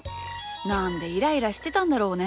なんでイライラしてたんだろうね？